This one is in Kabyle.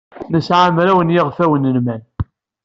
Nesɛa mraw n yiɣfawen n lmal.